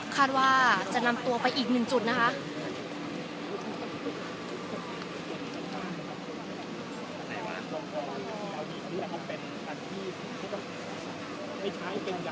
คาดว่าจะนำตัวไปอีกหนึ่งจุดนะคะ